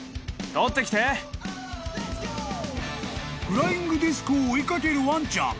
［フライングディスクを追い掛けるワンちゃん］